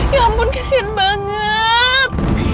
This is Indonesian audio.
ya ampun kasihan banget